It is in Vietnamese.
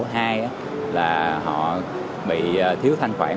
hai là họ bị thiếu thương